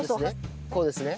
こうですね？